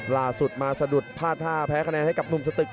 ล่าสุดมาสะดุดพลาดท่าแพ้คะแนนให้กับหนุ่มสตึก